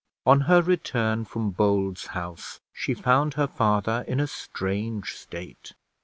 On her return from Bold's house she found her father in a strange state.